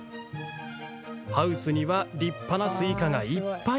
ハウスには立派なスイカがいっぱい。